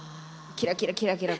キラキラキラキラ